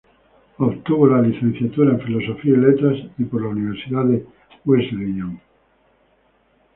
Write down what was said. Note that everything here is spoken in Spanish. Obtuvo la Licenciatura en Filosofía y Letras por la Universidad de Wesleyan.